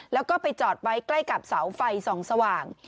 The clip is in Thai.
แล้วก็ไปจอดไว้ใกล้กับเสาไฟส่องสว่าง